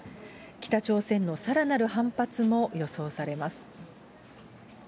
北朝鮮のさらなる反発も予想されます。